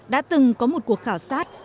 đã từng có một cuộc khảo sát